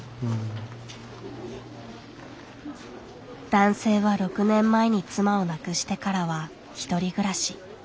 男性は６年前に妻を亡くしてからは１人暮らし。